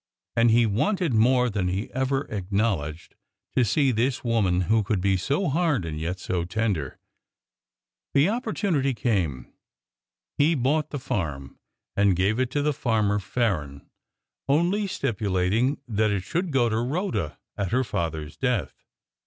And he wanted, more than he ever acknowledged, to see this woman who could be so hard and yet so tender. The opportunity came. He bought the farm, and gave it to Farmer Farren; only stipulating that it should go to Rhoda at her father's death.